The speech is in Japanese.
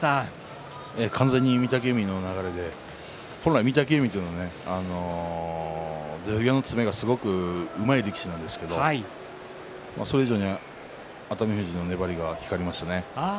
完全に御嶽海の流れで本来、御嶽海というのは土俵際の詰めがすごくうまい力士なんですけどそれ以上に熱海富士の粘りが光りましたね。